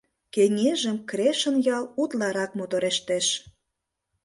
Кеҥежым Крешын ял утларак моторештеш.